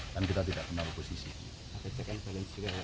dan kita tidak kenal posisi